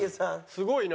すごいな。